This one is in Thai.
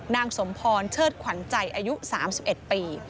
นางสมพรเชิดขวัญใจอายุ๓๑ปี